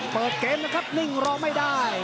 เปิดเกมนะครับนิ่งรอไม่ได้